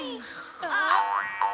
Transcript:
あっ。